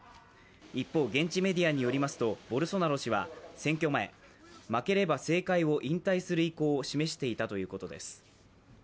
一方、現地メディアによりますとボルソナロ氏は選挙前、負ければ政界を引退する意向を示していたということです。